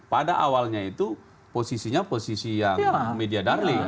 pada awalnya itu posisinya posisi yang media darling